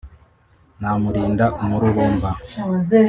namurinda umururumba